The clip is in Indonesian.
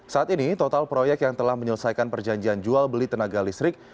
saat ini total proyek yang telah menyelesaikan perjanjian jual beli tenaga listrik